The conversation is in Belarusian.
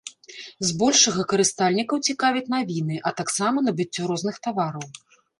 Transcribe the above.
Збольшага карыстальнікаў цікавяць навіны, а таксама набыццё розных тавараў.